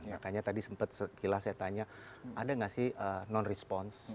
makanya tadi sempat sekilas saya tanya ada nggak sih non response